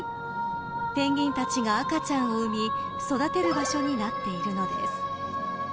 ペンギンたちが赤ちゃんを産み育てる場所になっているのです。